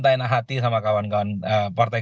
enak hati sama kawan kawan partai